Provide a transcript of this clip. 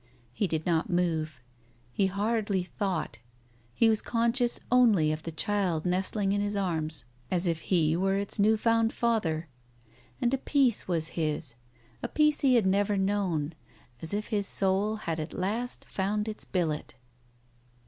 ... He did not move, he hardly thought, he was conscious only of the child nestling in his arms as if he were its new found father, and a peace was his, a peace he had never known, as if his soul had at last found its billet.